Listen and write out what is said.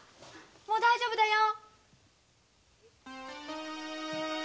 もう大丈夫だよ。